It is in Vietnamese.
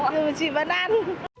nhưng mà chị vẫn ăn